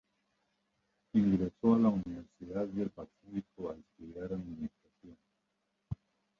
Ingresó a la Universidad del Pacífico a estudiar Administración.